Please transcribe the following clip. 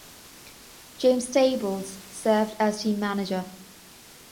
James Stables served as team manager.